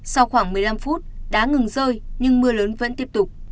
sau khoảng một mươi năm phút đá ngừng rơi nhưng mưa lớn vẫn tiếp tục